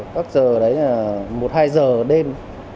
các giờ đấy là một hai giờ đêm